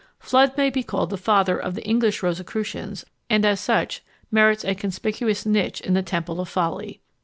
Fludd may be called the father of the English Rosicrucians, and as such merits a conspicuous niche in the temple of Folly.